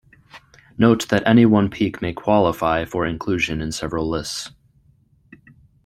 Note that any one peak may 'qualify' for inclusion in several lists.